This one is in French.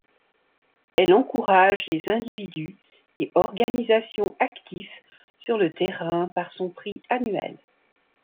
Elle encourage les individus et organisations actifs sur le terrain par son prix annuel.